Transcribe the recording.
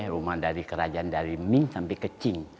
rumah dari kerajaan dari ming sampai ke ching